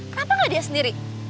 kenapa gak dia sendiri